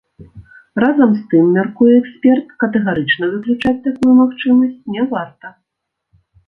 Разам з тым, мяркуе эксперт, катэгарычна выключаць такую магчымасць не варта.